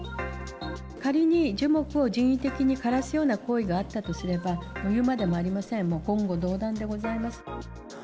仮に樹木を人為的に枯らすような行為があったとすれば、言うまでもありません、もう言語道断でございます。